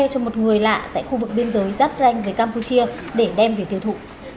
cho một người lạ tại khu vực biên giới giáp ranh với campuchia để đem về tiêu thụ